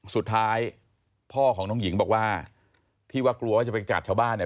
สุดท้ายพ่อของน้องหญิงบอกว่าที่ว่ากลัวว่าจะไปกัดชาวบ้านเนี่ย